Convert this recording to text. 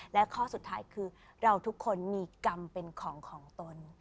และข้อสุดท้ายคือเราทุกคนมีกรรมเป็นของของตน